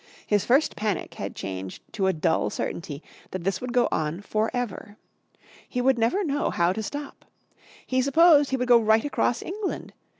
His first panic had changed to a dull certainty that this would go on for ever. He would never know how to stop. He supposed he would go right across England.